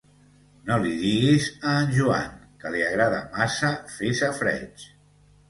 No li diguis a en Joan, que li agrada massa fer safareig.